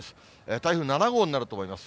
台風７号になると思います。